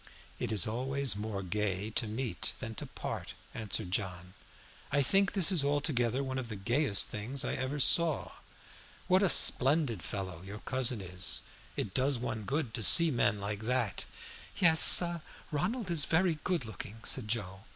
"It is always more gay to meet than to part," answered John. "I think this is altogether one of the gayest things I ever saw. What a splendid fellow your cousin is. It does one good to see men like that." "Yes, Ronald is very good looking," said Joe.